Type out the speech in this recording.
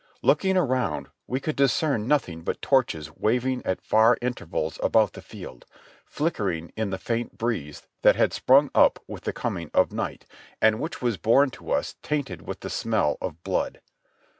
Look ing around we could discern nothing but torches waving at far in tervals about the field, flickering in the faint breeze that had sprung up with the coming of night, and which was borne to us tainted with the smell of blood.